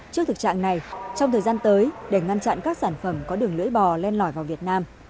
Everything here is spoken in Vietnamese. trước thực trạng này trong thời gian tới để ngăn chặn các sản phẩm có đường lưỡi bò lei vào việt nam